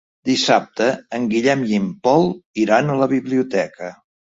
Dissabte en Guillem i en Pol iran a la biblioteca.